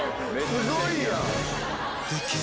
すごいやん。